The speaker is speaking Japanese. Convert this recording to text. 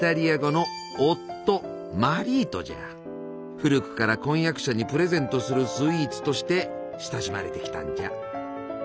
古くから婚約者にプレゼントするスイーツとして親しまれてきたんじゃ。